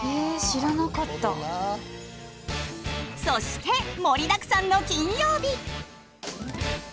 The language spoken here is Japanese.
そして盛りだくさんの金曜日。